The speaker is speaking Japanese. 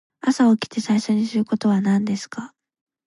朝起きて最初にすることは何ですか。